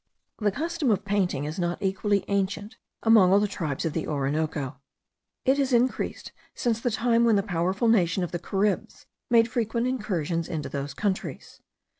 The custom of painting is not equally ancient among all the tribes of the Orinoco. It has increased since the time when the powerful nation of the Caribs made frequent incursions into those countries.